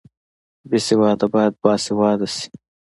بې سواده باید باسواده شي